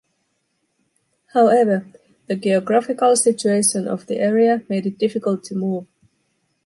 However, the geographical situation of the area made it difficult to move.